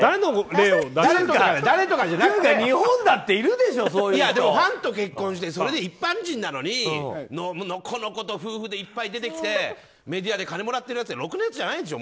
例えば。というか日本だっているでしょファンと結婚して一般人なのにのこのこと夫婦でいっぱい出てきてメディアで金もらってるやつはろくなやつじゃないでしょ。